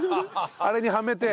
あれにはめて？